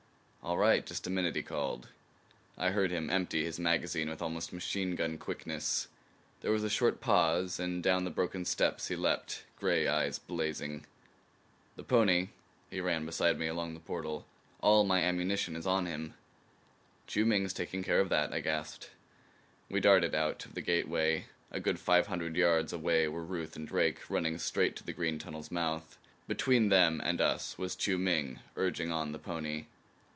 "All right. Just a minute," he called. I heard him empty his magazine with almost machine gun quickness. There was a short pause, and down the broken steps he leaped, gray eyes blazing. "The pony?" He ran beside me toward the portal. "All my ammunition is on him." "Chiu Ming's taking care of that," I gasped. We darted out of the gateway. A good five hundred yards away were Ruth and Drake, running straight to the green tunnel's mouth. Between them and us was Chiu Ming urging on the pony.